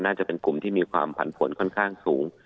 น่าจะเป็นกลุ่มที่มีความผันผลค่อนข้างสูง